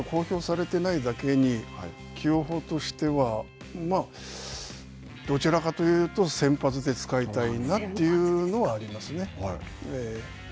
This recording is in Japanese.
それがまだ公表されていないだけに起用法としてはどちらかというと先発で使いたいなというのはありますね。